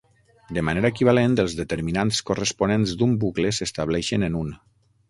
De manera equivalent, els determinants corresponents d'un bucle s'estableixen en un.